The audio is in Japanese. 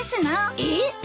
えっ？